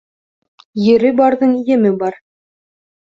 Ере барҙың еме бар